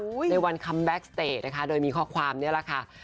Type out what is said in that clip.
ในวันคัมแบ็คสเตจนะคะโดยมีข้อความนี้แหละค่ะ